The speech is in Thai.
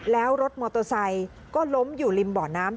แล้วรถมอเตอร์ไซค์ก็ล้มอยู่ริมบ่อน้ำ